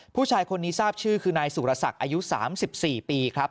ผู้ชายคนนี้ทราบชื่อคือนายสุรศักดิ์อายุ๓๔ปีครับ